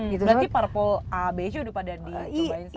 berarti purple abejo udah pada dicobain semua